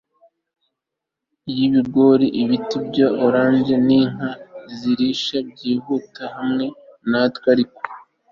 y'ibigori, ibiti bya orange, n'inka zirisha byihuta hamwe natwe. ariko